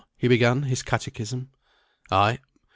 he began his catechism. "Ay."